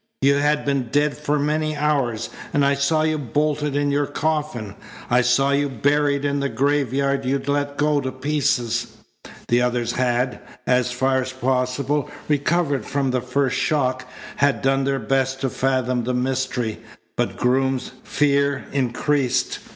You had been dead for many hours. And I saw you bolted in your coffin. I saw you buried in the graveyard you'd let go to pieces." The others had, as far as possible, recovered from the first shock, had done their best to fathom the mystery, but Groom's fear increased.